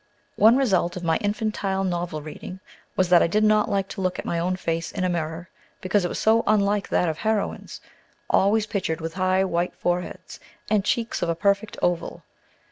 One result of my infantile novel reading was that I did not like to look at my own face in a mirror, because it was so unlike that of heroines, always pictured with "high white foreheads" and "cheeks of a perfect oval."